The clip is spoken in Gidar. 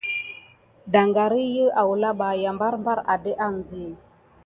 Daŋgar iki awula ɓa barbar adéke andi.